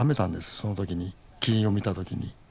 その時にキリンを見た時に。